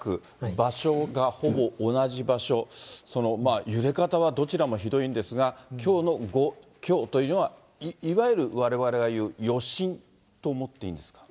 場所がほぼ同じ場所、揺れ方はどちらもひどいんですが、きょうの５強というのは、いわゆるわれわれが言う余震と思っていいんですか。